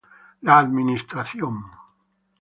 La Administración